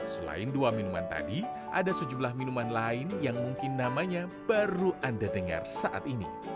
selain dua minuman tadi ada sejumlah minuman lain yang mungkin namanya baru anda dengar saat ini